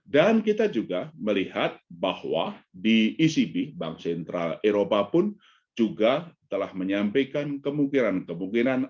dan kita juga melihat bahwa di ecb bank sentral eropa pun juga telah menyampaikan kemungkinan kemungkinan